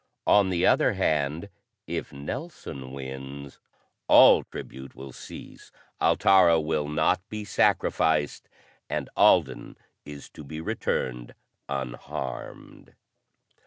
On the other hand, if Nelson wins, all tribute will cease, Altara will not be sacrificed, and Alden is to be returned unharmed.